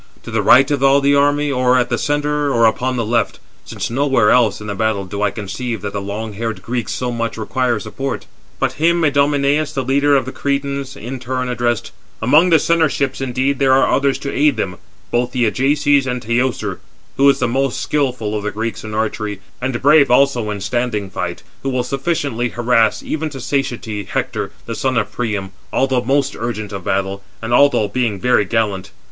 To the right of all the army, or at the centre, or upon the left? Since nowhere [else] 421 in the battle do I conceive that the long haired Greeks so much require support." Footnote 421: (return) I.e. nowhere so much as on the left. But him Idomeneus, the leader of the Cretans, in turn addressed: "Among the centre ships indeed there are others to aid them, both the Ajaces and Teucer, who is the most skilful of the Greeks in archery, and brave also in standing fight; who will sufficiently harass, even to satiety, Hector, the son of Priam, although most urgent of battle, and although being very gallant.